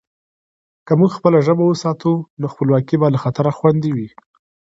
که موږ خپله ژبه وساتو، نو خپلواکي به له خطره خوندي وي.